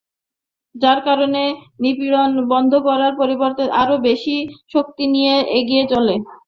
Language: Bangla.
যার কারণে নিপীড়ন বন্ধ হওয়ার পরিবর্তে আরও বেশি শক্তি নিয়ে এগিয়ে চলে।